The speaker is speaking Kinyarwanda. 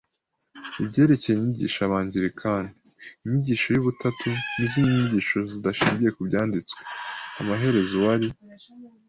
ibyerekeye inyigisho Abangilikani inyigisho y Ubutatu n izindi nyigisho zidashingiye ku Byanditswe Amaherezo uwari